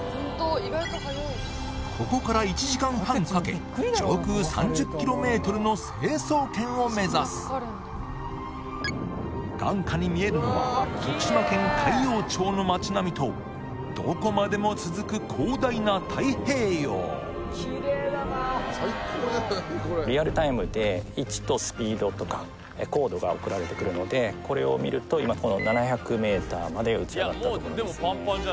ここから１時間半かけ上空３０ｋｍの成層圏を目指す眼下に見えるのは徳島県海陽町の街並みとどこまでも続く広大な太平洋が送られてくるのでこれを見ると今この７００ｍまで打ち上がったところですね